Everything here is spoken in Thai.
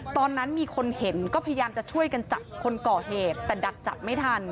ตอนนั้นมีคนเห็นก็พยายามจะช่วยกันจับคนก่อเหตุแต่ดักจับไม่ทัน